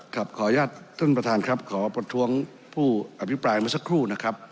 ขออนุญาตท่านประธานครับขอประท้วงผู้อภิปรายมาสักครู่นะครับ